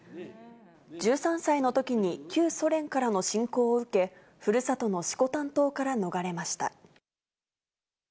１３歳のときに旧ソ連からの侵攻を受け、ふるさとの色丹島から逃れました。